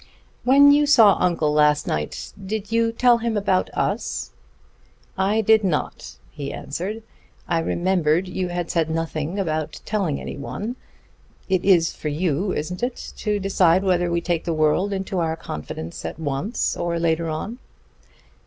"When you saw uncle last night, did you tell him about about us?" "I did not," he answered. "I remembered you had said nothing about telling any one. It is for you isn't it? to decide whether we take the world into our confidence at once or later on."